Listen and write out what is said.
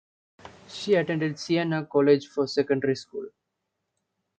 She attended Siena College for secondary school.